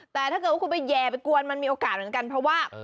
แต่ถ้าเกิดว่าคุณไปแย่ไปกวนมันมีโอกาสเหมือนกันเพราะว่า